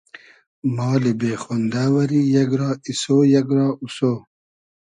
مالی بې خۉندۂ وئری یئگ را ایسۉ , یئگ را اوسۉ